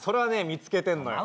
見つけてんのよ